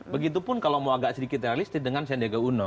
begitupun kalau mau agak sedikit realistis dengan sendega uno